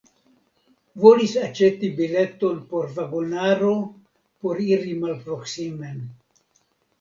Volis aĉeti bileton por vagonaro por iri malproksimen.